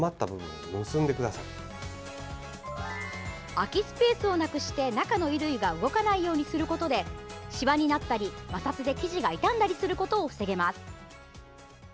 空きスペースをなくして中の衣類が動かないようにすることでしわになったり、摩擦で生地が傷んだりすることを防げます。